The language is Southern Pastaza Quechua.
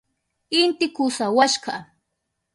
Inti kusawashka.